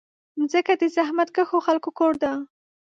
مځکه د زحمتکښو خلکو کور ده.